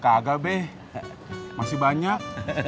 kagak be masih banyak